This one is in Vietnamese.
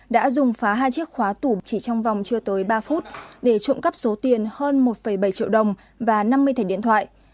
đã dùng phá hai chiếc khóa tủ chỉ trong vòng chưa tới ba phút để trộm cắp số tiền hơn một bảy triệu đồng và năm mươi thẻ điện thoại